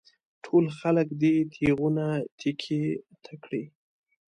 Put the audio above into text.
ټول خلک دې تېغونه تېکې ته کړي.